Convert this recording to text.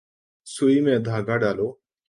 سوئی میں دھاگہ ڈالو